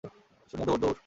শুনিয়া দৌড়, দৌড়।